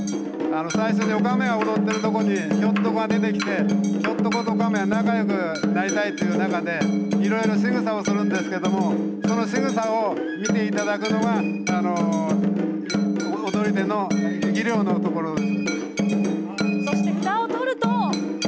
最初におかめが踊っているところにひょっとこが出てきてひょっとことおかめが仲よくなりたいということでしぐさをするんですがそのしぐさを見ていただくのが踊り手の技量のところです。